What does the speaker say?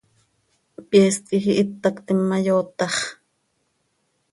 Pyeest quij ihít tactim ma, yootax.